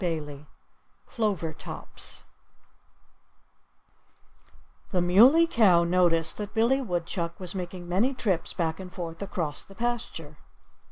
XVI CLOVER TOPS The Muley Cow noticed that Billy Woodchuck was making many trips back and forth across the pasture.